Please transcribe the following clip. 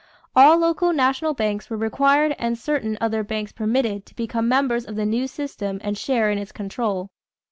All local national banks were required and certain other banks permitted to become members of the new system and share in its control.